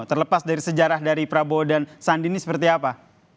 terlepas dari sejarah dari prabowo dan sandi ini seperti apa